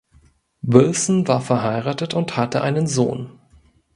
Wilson war verheiratet und hatte einen Sohn.